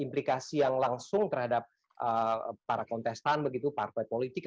implikasi yang langsung terhadap para kontestan begitu partai politik